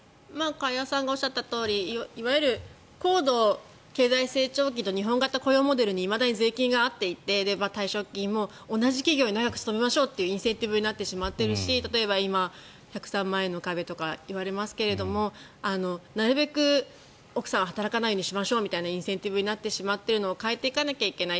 加谷さんがおっしゃったとおりいわゆる高度経済成長期の日本型雇用モデルにいまだに税金が合っていて退職金も同じ企業に長く勤めましょうっていうインセンティブになっていますし例えば今、１０３万円の壁とかいわれますけどなるべく奥さんは働かないようにしましょうみたいなインセンティブになってしまっているのを変えていかなくてはいけない。